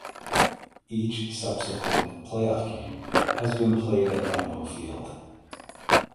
Each subsequent playoff game has been played at Lambeau Field.